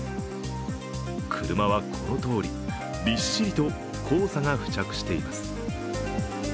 車は、このとおり、びっしりと黄砂が付着しています。